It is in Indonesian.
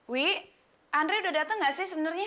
wih andre udah dateng gak sih sebenernya